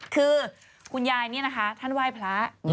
คือคุณยายนี่นะคะท่านไหว้พระ